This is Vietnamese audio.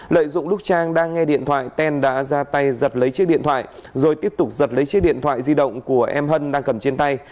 lợi dụng lúc trang đang nghe điện thoại ten đã ra tay giật lấy chiếc điện thoại rồi tiếp tục giật lấy chiếc điện thoại di động của em hân đang cầm trên tay